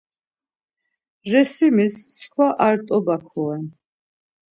Resimis mskva ar t̆oba koren.